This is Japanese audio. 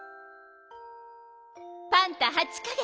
「パンタ８か月。